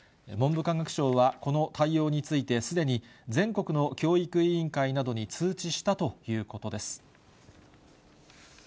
文部科学省は、この対応についてすでに全国の教育委員会などに通知したということです。